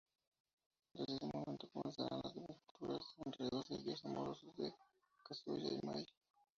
Desde ese momento, comenzarán las desventuras, enredos y líos amorosos de Kazuya y May.